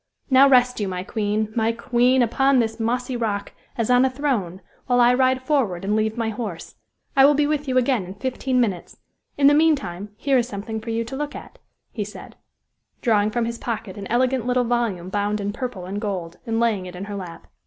Now, rest you, my queen! my queen! upon this mossy rock, as on a throne, while I ride forward and leave my horse. I will be with you again in fifteen minutes; in the meantime here is something for you to look at," he said, drawing from his pocket an elegant little volume bound in purple and gold, and laying it in her lap.